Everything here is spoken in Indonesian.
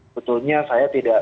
betulnya saya tidak